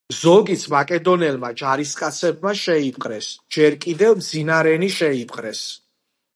ზოგიც მაკედონელმა ჯარისკაცებმა შეიპყრეს, ჯერ კიდევ მძინარენი შეიპყრეს.